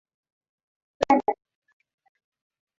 Uganda ni mbali sana.